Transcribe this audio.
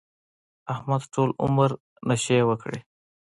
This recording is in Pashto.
احمد ټول عمر نشې وکړې.